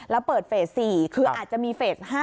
แล้วเปิดเฟส๔คืออาจจะมีเฟส๕